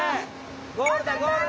ゴールだゴールだ！